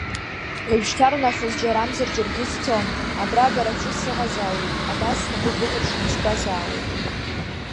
Уажәшьҭарнахыс џьарамзар џьаргьы сцом, абра бара бҿы сыҟазаауеит, абас снапы быкәыршаны стәазаауеит.